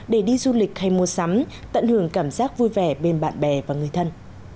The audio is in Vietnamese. để đi du lịch hay mua sắm tận hưởng cảm giác vui vẻ bên bạn bè và người thân